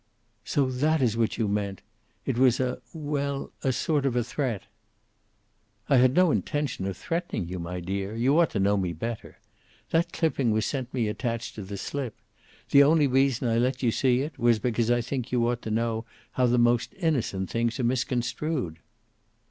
"So that is what you meant! It was a well, a sort of a threat." "I had no intention of threatening you, my dear. You ought to know me better. That clipping was sent me attached to the slip. The only reason I let you see it was because I think you ought to know how the most innocent things are misconstrued."